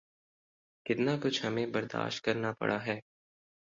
کتنا کچھ ہمیں برداشت کرنا پڑا ہے۔